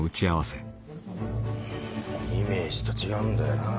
イメージと違うんだよな。